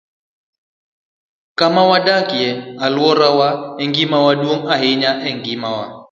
Kama wadakie, alworawa en gima duong ' ahinya e ngimawa.